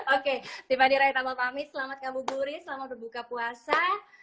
oke tiba di raya tambang pamit selamat kamu gurih selamat buka puasa